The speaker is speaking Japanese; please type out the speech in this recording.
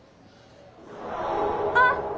あっ！